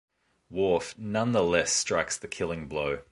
Worf nonetheless strikes the killing blow.